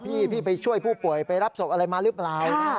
พี่ไปช่วยผู้ป่วยไปรับศพอะไรมาหรือเปล่า